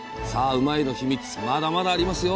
うまいッ！のヒミツまだまだありますよ。